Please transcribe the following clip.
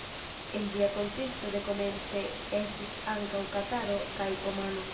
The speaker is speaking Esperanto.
En ĝia konsisto dekomence estis ankaŭ Kataro kaj Omano.